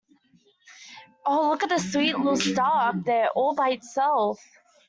Oh, look at that sweet little star up there all by itself.